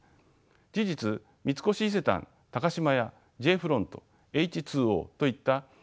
事実三越伊勢丹高島屋Ｊ．フロントＨ２Ｏといった百貨店